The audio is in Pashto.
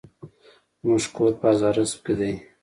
زموکور په هزاراسپ کی دي